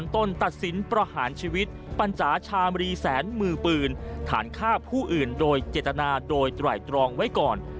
ต้นตัดสินประหารชีวิตปัญจาชาชามรีแสนมือปืนฐานฆ่าผู้อื่นโดยเจตนาโดยไตรตรองไว้ก่อน